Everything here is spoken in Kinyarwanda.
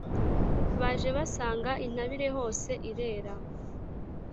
baje basanga intabire hose irera,